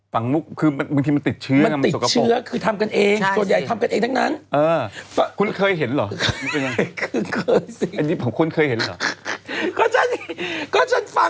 ฝังมุกคือบางทีมันติดเชื้อมันติดเชื้อ